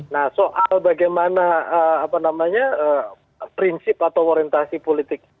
nah soal bagaimana apa namanya prinsip atau orientasi politik pak jokowi